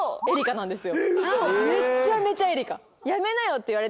めっちゃめちゃエリカ。